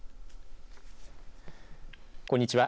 こんにちは。